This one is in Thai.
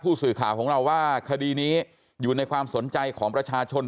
สื่อข่าวของเราว่าคดีนี้อยู่ในความสนใจของประชาชน